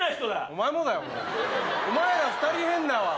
お前ら２人変だわ。